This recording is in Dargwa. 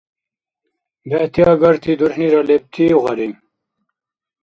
Бегӏти агарти дурхӏнира лебтив гъари?